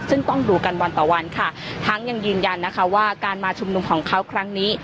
ซึ่งต้องดูกันวันต่อวันค่ะทั้งยังยืนยันนะคะว่าการมาชุมนุมของเขาครั้งนี้